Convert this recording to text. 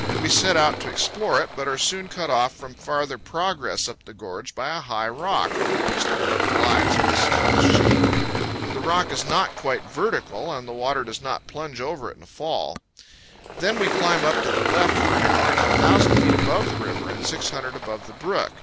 We set out to explore it, but are soon cut off from farther progress up the gorge by a high rock, over which the brook glides in a smooth sheet. The rock is not quite vertical, and the water does not plunge over it in a fall. Then we climb up to the left for an hour, and are 1,000 feet above the river and 600 above the brook.